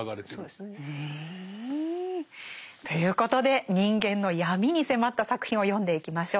そうですね。ということで人間の闇に迫った作品を読んでいきましょう。